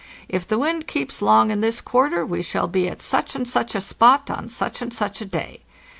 "If the wind keeps long in this quarter we shall be at such and such a spot on such and such a day.